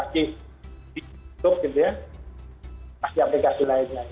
masih aplikasi lainnya